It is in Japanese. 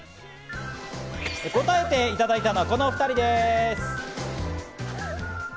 答えていただいたのはこのお２人です。